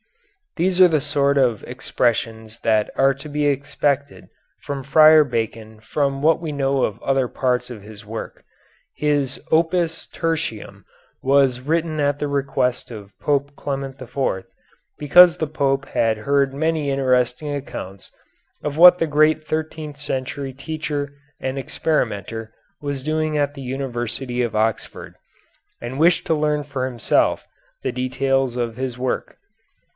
These are the sort of expressions that are to be expected from Friar Bacon from what we know of other parts of his work. His "Opus Tertium" was written at the request of Pope Clement IV, because the Pope had heard many interesting accounts of what the great thirteenth century teacher and experimenter was doing at the University of Oxford, and wished to learn for himself the details of his work.